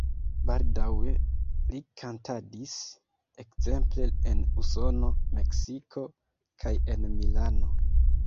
Baldaŭe li kantadis ekzemple en Usono, Meksiko kaj en Milano.